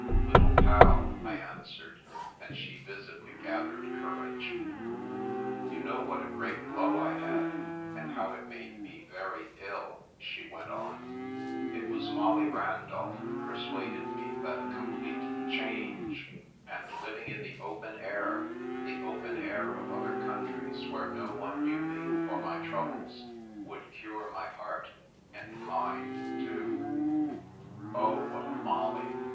" Little Pal," I answered, and she visibly gathered courage. " You know what a great blow I had, and how it made me very ill," she went on. " It was Molly Randolph who persuaded me that a complete change, 364 The Princess Passes and living in the open air — ^the open air of other countries where no one knew me or my troubles — would cure my heart, and mind, too." (Oh, what a Molly!